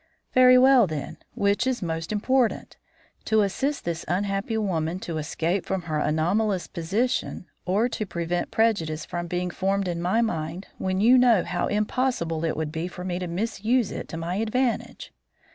"Very well, then. Which is most important; to assist this unhappy woman to escape from her anomalous position, or to prevent prejudice from being formed in my mind, when you know how impossible it would be for me to misuse it to my advantage?"